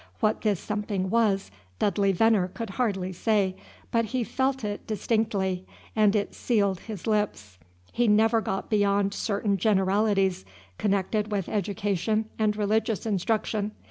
What this something was, Dudley Venner could hardly say; but he felt it distinctly, and it sealed his lips. He never got beyond certain generalities connected with education and religious instruction.